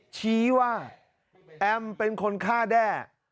ชี้ว่าแอมเป็นคนฆ่าแด้